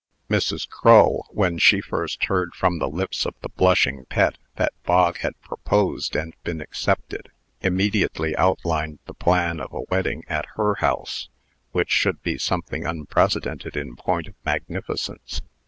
Mrs. Crull, when she first heard, from the lips of the blushing Pet, that Bog had proposed and been accepted, immediately outlined the plan of a wedding at her house, which should be something unprecedented in point of magnificence.